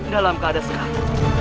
dalam keadaan serang